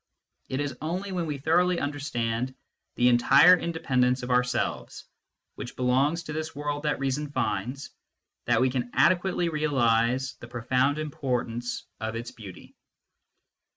It is only when we thoroughly understand the entire independence of our selves, which belongs to this world that reason finds, that we can adequately realise the profound importance of its beauty.